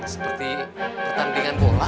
seperti pertandingan bola